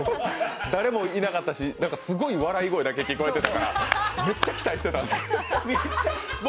誰もいなかったし、すごい笑い声だけ聞こえてたからめっちゃ期待してたんですよ。